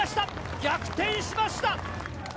逆転しました。